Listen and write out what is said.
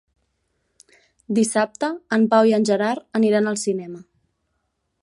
Dissabte en Pau i en Gerard aniran al cinema.